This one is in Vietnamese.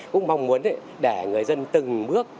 cũng mong muốn để người dân từng bước